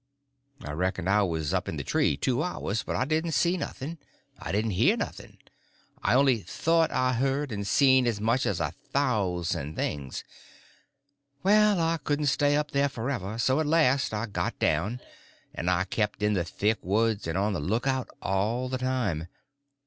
I reckon I was up in the tree two hours; but I didn't see nothing, I didn't hear nothing—I only thought I heard and seen as much as a thousand things. Well, I couldn't stay up there forever; so at last I got down, but I kept in the thick woods and on the lookout all the time.